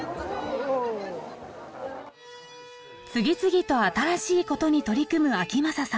次々と新しいことに取り組む章匡さん。